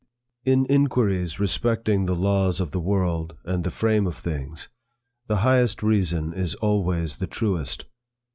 IN inquiries respecting the laws of the world and the frame of things, the highest reason is always the truest.